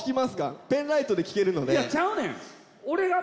ペンライトで聞けるので。